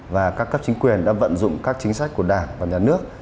và các cấp chính quyền đã vận dụng các chính sách của đảng và nhà nước